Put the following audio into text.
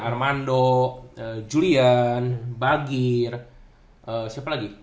armando julian bagir siapa lagi